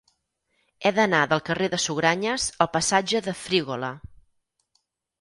He d'anar del carrer de Sugranyes al passatge de Frígola.